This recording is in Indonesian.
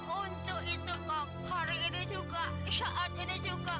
untuk itu kok hari ini juga saat ini juga